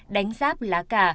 đánh giáp lá cà